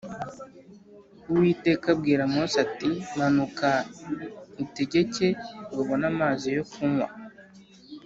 Uwiteka abwira Mose ati Manuka utegeke babone amazi yo kunywa